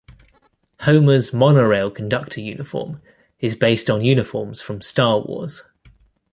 Homer's Monorail conductor uniform is based on uniforms from "Star Wars".